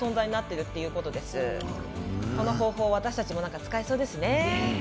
この方法私たちも使えそうですね。